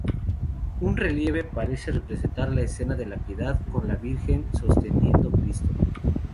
Un relieve parece representar la escena de la piedad con la Virgen sosteniendo Cristo.